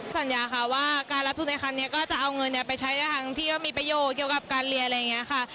สัญญาค่ะว่าการรับทุนในครั้งนี้ก็จะเอาเงินไปใช้ในครั้งที่ว่ามีประโยชน์เกี่ยวกับการเรียนอะไรอย่างนี้ค่ะ